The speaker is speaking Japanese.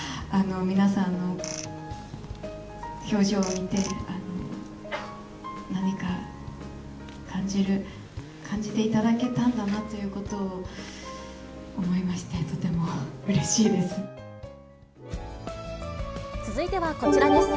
皆さんの表情を見て、何か感じていただけたんだなということを思いまして、とてもうれ続いてはこちらです。